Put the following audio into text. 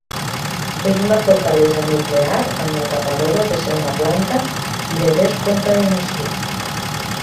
És una fortalesa nuclear amb la tapadora de ser una planta de descontaminació.